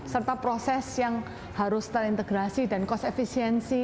serta proses yang harus terintegrasi dan cost efisiensi